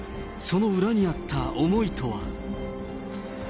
その裏にあった思いとは。